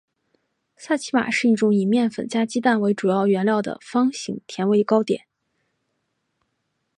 萨其马是一种以面粉加鸡蛋为主要原料的方形甜味糕点。